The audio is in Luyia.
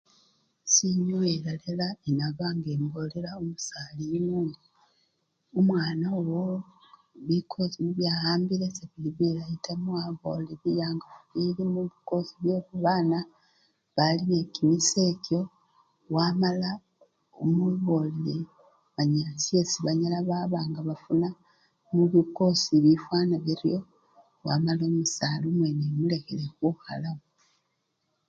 Sinyowela elalaa, enaba nga mbolela omusali yuno indi omwana wowo bikosi nibyo awambile sebili bilayi taa mala emubolele biyangafu bili mubikosi bye babana bali nende kimize ekyo wamala imubolele manya shesi banyala babanga bafuna mubikosi bifwana biryo wamala omusali omwene imulekhele khukhalawo.